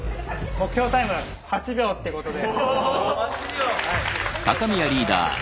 目標タイム８秒ってことで。